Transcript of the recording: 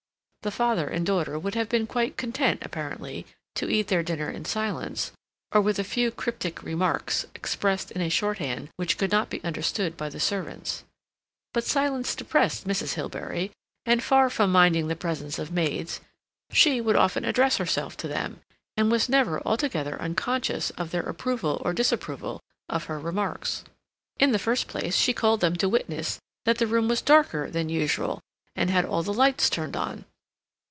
The father and daughter would have been quite content, apparently, to eat their dinner in silence, or with a few cryptic remarks expressed in a shorthand which could not be understood by the servants. But silence depressed Mrs. Hilbery, and far from minding the presence of maids, she would often address herself to them, and was never altogether unconscious of their approval or disapproval of her remarks. In the first place she called them to witness that the room was darker than usual, and had all the lights turned on.